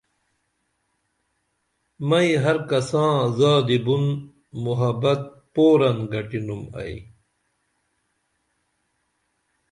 مئی ہر کساں زادی بُن محبت پورن گٹینُم ائی